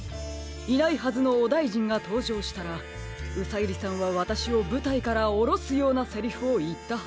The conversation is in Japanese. いないはずのオダイジンがとうじょうしたらうさゆりさんはわたしをぶたいからおろすようなセリフをいったはずです。